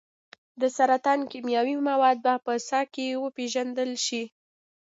د سرطان کیمیاوي مواد به په ساه کې وپیژندل شي.